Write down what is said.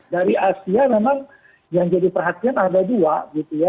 dari asia memang yang jadi perhatian ada dua gitu ya